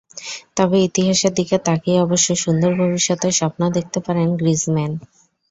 তবে ইতিহাসের দিকে তাকিয়ে অবশ্য সুন্দর ভবিষ্যতের স্বপ্ন দেখতে পারেন গ্রিজমান।